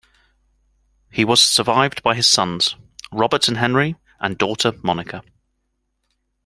He was survived by his sons, Robert and Henry, and daughter, Monica.